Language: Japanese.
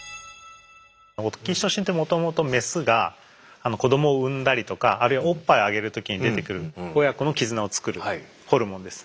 オキシトシンってもともとメスが子どもを産んだりとかあるいはおっぱいあげる時に出てくる親子の絆をつくるホルモンです。